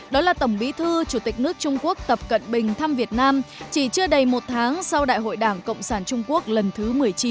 đó là tổng bí thư chủ tịch nước trung quốc tập cận bình thăm việt nam chỉ chưa đầy một tháng sau đại hội đảng cộng sản trung quốc lần thứ một mươi chín